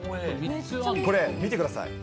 これ、見てください。